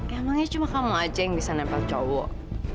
emangnya cuma kamu aja yang bisa nempel cowok